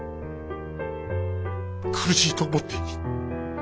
苦しいと思っていい。